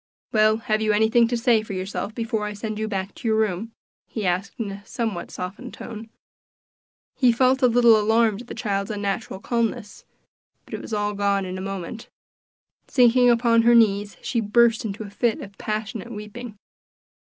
"Well, have you anything to say for yourself before I send you back to your room?" he asked in a somewhat softened tone. He felt a little alarmed at the child's unnatural calmness; but it was all gone in a moment. Sinking upon her knees she burst into a fit of passionate weeping.